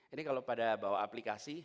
ini kalau pada bawa aplikasi